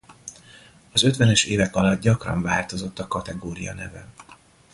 Az ötvenes évek alatt gyakran változott a kategória neve.